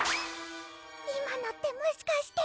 今のってもしかして！